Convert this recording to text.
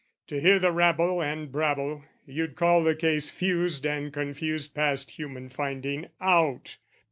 To hear the rabble and brabble, you'd call the case Fused and confused past human finding out.